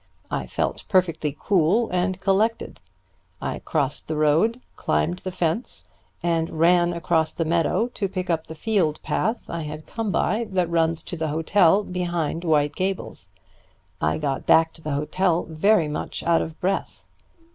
I felt perfectly cool and collected. I crossed the road, climbed the fence, and ran across the meadow to pick up the field path I had come by, that runs to the hotel behind White Gables. I got back to the hotel very much out of breath."